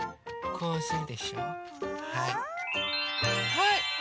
はい。